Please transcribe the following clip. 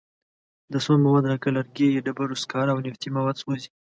د سون مواد لکه لرګي، ډبرو سکاره او نفتي مواد سوځي.